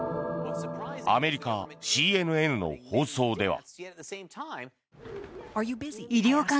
アメリカＣＮＮの放送では。